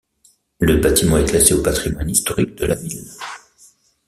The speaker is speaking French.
Le bâtiment est classé au patrimoine historique de la ville.